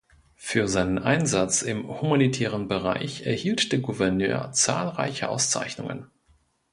Für seinen Einsatz im humanitären Bereich erhielt der Gouverneur zahlreiche Auszeichnungen.